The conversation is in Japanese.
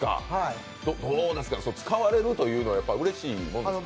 使われるというのはうれしいもんですか？